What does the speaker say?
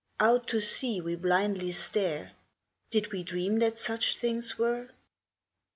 Out to sea we blindly stare ; Did we dream that such things were ?